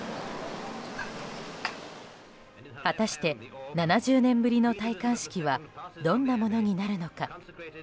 果たして７０年ぶりの戴冠式はどんなものになるのか。